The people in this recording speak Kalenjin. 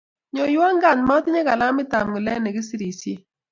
Nyoiwan kat matinye kilamit ab ngulek nikisirisie